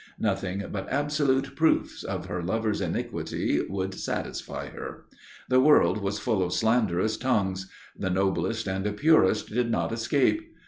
Nothing but absolute proofs of her lover's iniquity would satisfy her. The world was full of slanderous tongues; the noblest and purest did not escape.